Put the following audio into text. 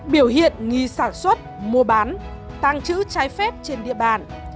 biểu hiện nghi sản xuất mua bán tăng chữ trái phép trên địa bàn